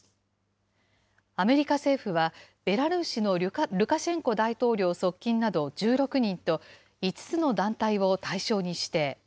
アメリカ政府は、ベラルーシのルカシェンコ大統領側近など１６人と、５つの団体を対象に指定。